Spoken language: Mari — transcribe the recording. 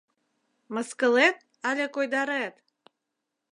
Мыскылет але койдарет?!